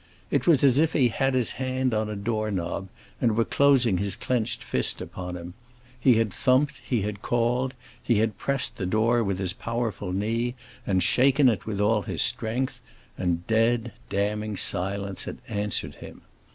It was as if he had his hand on a door knob and were closing his clenched fist upon it: he had thumped, he had called, he had pressed the door with his powerful knee and shaken it with all his strength, and dead, damning silence had answered him.